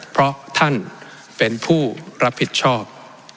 เพราะท่านเป็นผู้รับผิดชอบ